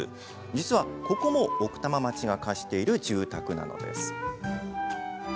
実は、ここも奥多摩町が貸している住宅なのです。